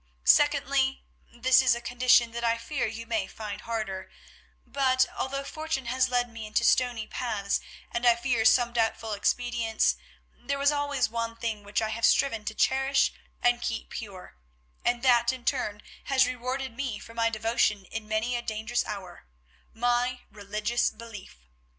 Secondly—this is a condition that I fear you may find harder—but, although fortune has led me into stony paths, and I fear some doubtful expedients, there was always one thing which I have striven to cherish and keep pure, and that in turn has rewarded me for my devotion in many a dangerous hour, my religious belief.